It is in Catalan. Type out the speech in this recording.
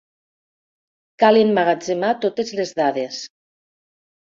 Cal emmagatzemar totes les dades.